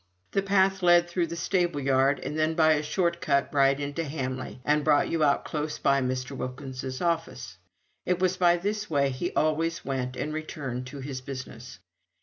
This path led through the stable yard, and then by a short cut right into Hamley, and brought you out close to Mr. Wilkins's office; it was by this way he always went and returned to his business.